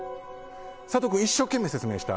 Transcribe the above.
佐藤君、一生懸命説明した。